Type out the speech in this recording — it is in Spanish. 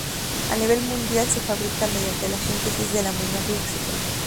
A nivel industrial, se fabrica mediante la síntesis del amoníaco y oxígeno.